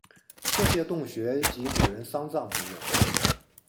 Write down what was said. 这些洞穴即古人丧葬之用。